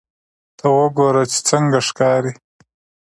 ته وګوره چې څنګه ښکاري